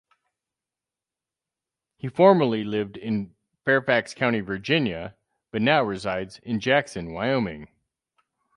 He formerly lived in Fairfax County, Virginia but now resides in Jackson, Wyoming.